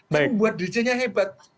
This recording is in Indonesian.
tapi buat dirjanya hebat